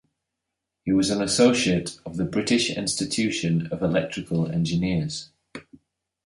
He was an associate of the British Institution of Electrical Engineers.